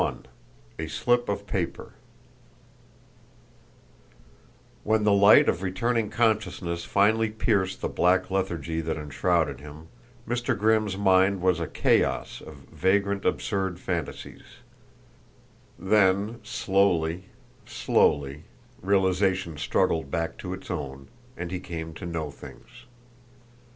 XXI A SLIP OF PAPER When the light of returning consciousness finally pierced the black lethargy that enshrouded him, Mr. Grimm's mind was a chaos of vagrant, absurd fantasies; then slowly, slowly, realization struggled back to its own, and he came to know things.